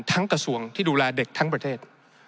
กระทรวงที่ดูแลเด็กทั้งประเทศ